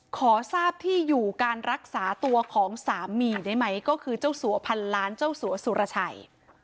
ขอทราบที่อยู่การรักษาตัวของสามีได้ไหมก็คือเจ้าสัวพันล้านเจ้าสัวสุรชัย